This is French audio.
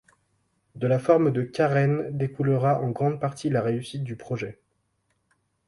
De la forme de carène découlera en grande partie la réussite du projet.